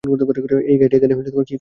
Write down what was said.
এই গাইড এখানে কি করছে?